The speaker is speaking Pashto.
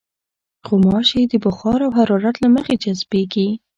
غوماشې د بخار او حرارت له مخې جذبېږي.